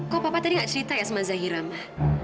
kok papa tadi nggak cerita ya sama zahira ma